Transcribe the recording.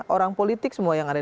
orang politik semua yang ada